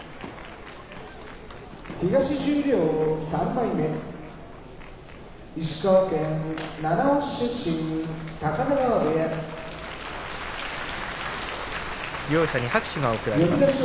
拍手両者に拍手が送られました